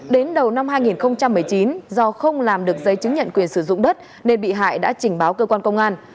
đến đầu năm hai nghìn một mươi chín do không làm được giấy chứng nhận quyền sử dụng đất nên bị hại đã trình báo cơ quan công an